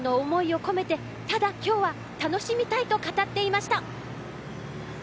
４年間の思いを込めてただ今日は楽しみたいと語っていました。